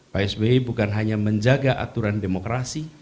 pak sby bukan hanya menjaga aturan demokrasi